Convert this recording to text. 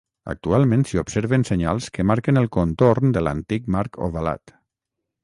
Actualment s'hi observen senyals que marquen el contorn de l’antic marc ovalat.